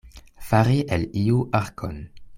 Fari el iu arkon.